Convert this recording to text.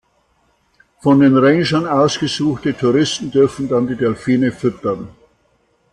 Von den Rangern ausgesuchte Touristen dürfen dann die Delfine füttern.